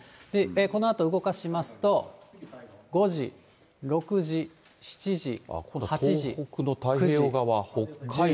このあと動かしますと、５時、６時、７時、８時、９時。